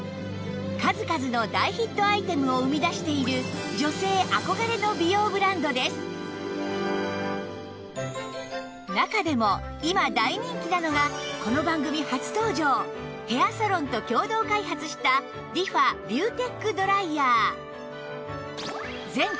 数々の大ヒットアイテムを生み出している中でも今大人気なのがこの番組初登場ヘアサロンと共同開発した全国